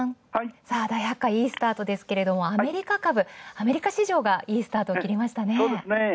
大発会、いいスタートですけど、アメリカ株、アメリカ市場がいいスタートを切りました。